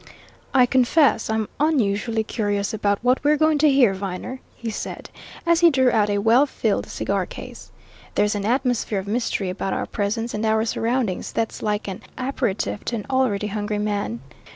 "I confess I'm unusually curious about what we're going to hear, Viner," he said, as he drew out a well filled cigar case. "There's an atmosphere of mystery about our presence and our surroundings that's like an apéritif to an already hungry man.